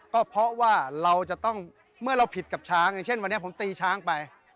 ก็เพราะว่าเราจะต้องเมื่อเราผิดกับช้างอย่างเช่นวันนี้ผมตีช้างไป